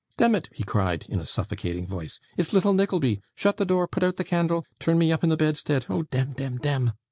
'Demmit,' he cried, in a suffocating voice, 'it's little Nickleby! Shut the door, put out the candle, turn me up in the bedstead! Oh, dem, dem, dem!